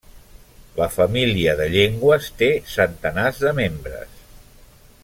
La família de llengües té centenars de membres.